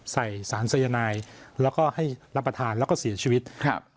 สารสายนายแล้วก็ให้รับประทานแล้วก็เสียชีวิตครับ